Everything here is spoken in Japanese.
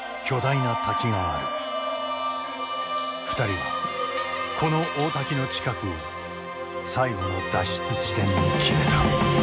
２人はこの大滝の近くを最後の脱出地点に決めた。